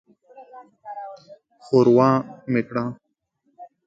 ښوروا مې کړه.